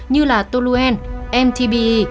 như là toluen mtbe